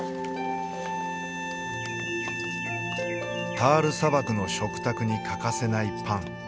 タール砂漠の食卓に欠かせないパン。